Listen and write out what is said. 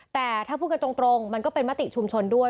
แต่ถ้าพูดกันตรงมันก็เป็นมติชุมชนด้วย